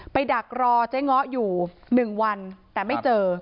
ดักรอเจ๊ง้ออยู่๑วันแต่ไม่เจอ